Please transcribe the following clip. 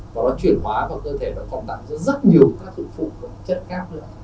và nó chuyển hóa vào cơ thể và công tạng ra rất nhiều các hữu phụ chất khác nữa